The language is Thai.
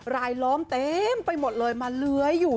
ล้อมเต็มไปหมดเลยมาเลื้อยอยู่